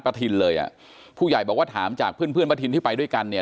ทินเลยอ่ะผู้ใหญ่บอกว่าถามจากเพื่อนเพื่อนประทินที่ไปด้วยกันเนี่ย